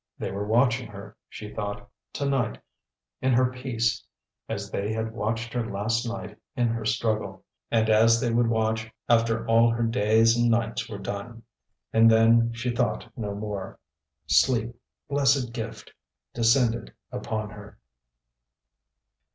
They were watching her, she thought, to night in her peace as they had watched her last night in her struggle, and as they would watch after all her days and nights were done. And then she thought no more. Sleep, blessed gift, descended upon her.